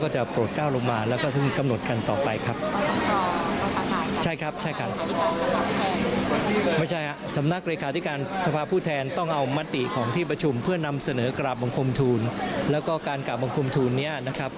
จึงมีการพิธีที่เตรียมการไว้ครับ